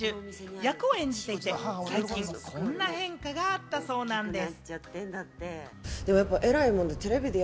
役を演じていて最近こんな変化があったそうなんです。